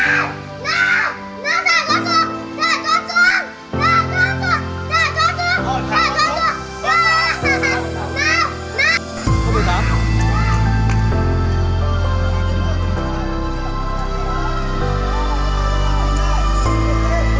nhưng mà bố mẹ không đặt ra cho bố như này đâu